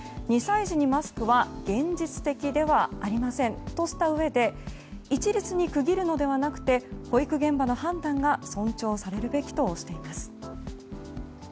２歳児にマスクは現実的ではありませんとしたうえで一律に区切るのではなくて保育現場の判断が尊重されるべきとしています。